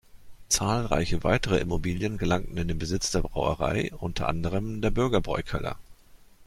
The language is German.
Zahlreiche weitere Immobilien gelangten in den Besitz der Brauerei, unter anderem der Bürgerbräukeller.